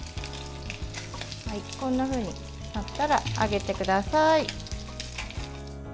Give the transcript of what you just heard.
こんなふうになったら上げてください。